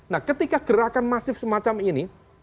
nah ketika gerakan masif semacam ini